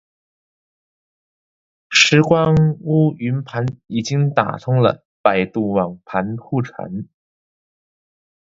拾光坞云盘已经打通了百度网盘互传